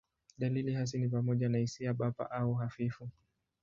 Dalili hasi ni pamoja na hisia bapa au hafifu.